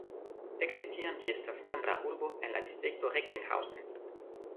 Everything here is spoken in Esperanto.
Ekde tiam ĝi estas membra urbo en la distrikto Recklinghausen.